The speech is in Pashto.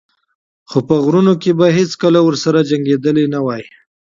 خو په غرونو کې به یې هېڅکله ورسره جنګېدلی نه وای.